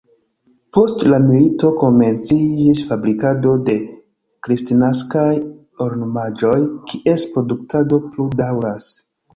Post la milito komenciĝis fabrikado de kristnaskaj ornamaĵoj, kies produktado plu daŭras.